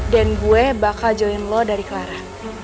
dan gue bakal join lo dari clara